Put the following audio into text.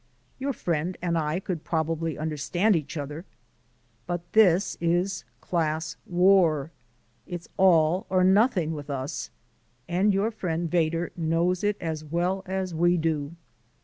Your friend and I could probably understand each other but this is a class war. It's all or nothing with us, and your friend Vedder knows it as well as we do."